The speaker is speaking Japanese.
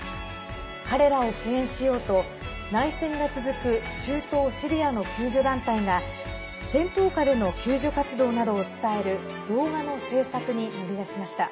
彼らを支援しようと、内戦が続く中東シリアの救助団体が戦闘下での救助活動などを伝える動画の制作に乗り出しました。